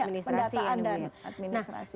pendataan dan administrasi